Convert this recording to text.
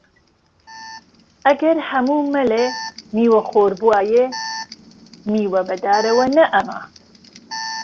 ئەگەر هەموو مەلێ میوەخۆر بوایە، میوە بەدارەوە نەئەما